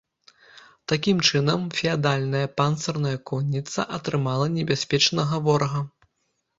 Такім чынам, феадальная панцырная конніца атрымала небяспечнага ворага.